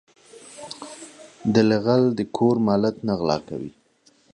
دله غل د کور مالت نه غلا کوي .